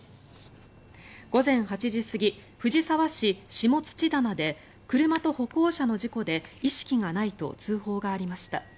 午前８時過ぎ、藤沢市下土棚で車と歩行者の事故で意識がないと通報がありました。